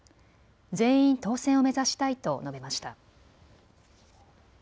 全員当選を目指したいと述べました。